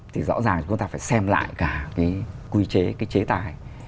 thì rõ ràng chúng ta phải xem lại cả cái quy chế cái chế tài